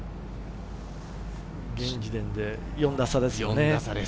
現時点で４打差ですよね。